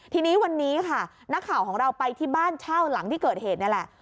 ทีนี้วันนี้ค่ะนักข่าวของเราไปที่บ้านเช่าหลังที่เกิดเหตุนี่แหละ